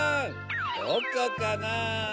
どこかなぁ？